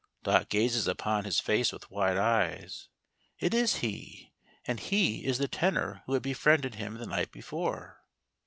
^ Dot gazes upon his face with wide eyes. It is he — and he is the Tenor who had befriended him the night before.